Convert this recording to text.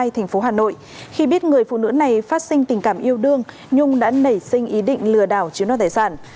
thành phố hà nội khi biết người phụ nữ này phát sinh tình cảm yêu đương nhung đã nảy sinh ý định lừa đảo chiếm đoạt tài sản